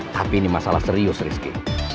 tapi ini masalah serius rizky